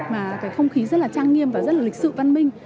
mà cái không khí rất là trang nghiêm và rất là lịch sự văn minh